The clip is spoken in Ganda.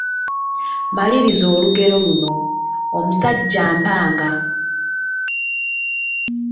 Maliriza olugero luno: Omusajja mpanga, …..